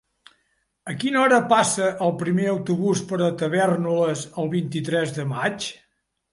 A quina hora passa el primer autobús per Tavèrnoles el vint-i-tres de maig?